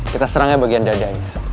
kita serangnya bagian dadanya